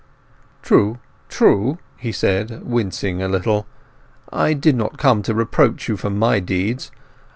"True, true," he said, wincing a little. "I did not come to reproach you for my deeds.